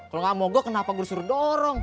kalau gak mogok kenapa guru suruh dorong